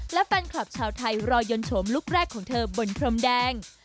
และแฟนคลับชาวไทยรอยนโฉมลุคแรกของเธอบนพรมแดง